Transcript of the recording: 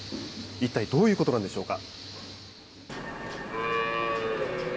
一体どういうことなんでしょうか。